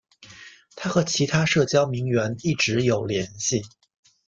她和其他社交名媛一直有联系。